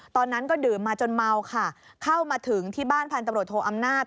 ตอนนั้นก็ดื่มมาจนเมาค่ะเข้ามาถึงที่บ้านพันตำรวจโทอำนาจ